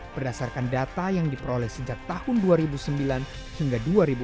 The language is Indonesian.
berdasarkan data yang diperoleh sejak tahun dua ribu sembilan hingga dua ribu dua puluh